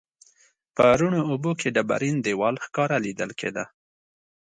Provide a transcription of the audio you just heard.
په روڼو اوبو کې ډبرین دیوال ښکاره لیدل کیده.